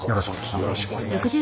よろしくお願いします。